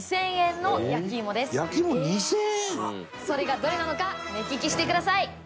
それがどれなのか目利きしてください。